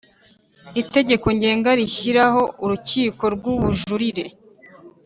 Itegeko Ngenga rishyiraho Urukiko rw Ubujurire